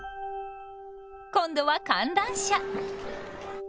今度は観覧車。